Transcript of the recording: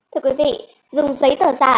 thưa quý vị dùng giấy tờ giả